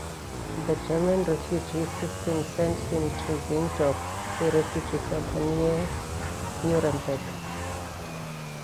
The German refugee system sent him to Zirndorf, a refugee center near Nuremberg.